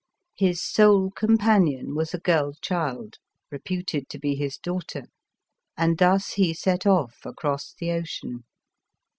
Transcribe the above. His sole companion was a girl child, reputed to be his daughter, and thus he set off across the ocean.